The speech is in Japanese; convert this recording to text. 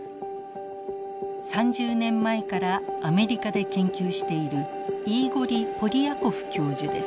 ３０年前からアメリカで研究しているイーゴリ・ポリヤコフ教授です。